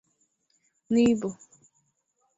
Nibo